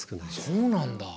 そうなんだ。